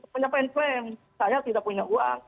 menyampaikan klaim saya tidak punya uang